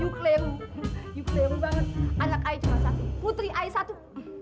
yukleru yukleru banget anak saya cuma satu putri saya satu